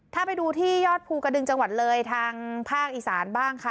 ถ้าไปดูที่ยอดภูกระดึงจังหวัดเลยทางภาคอีสานบ้างค่ะ